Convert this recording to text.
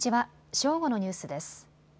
正午のニュースです。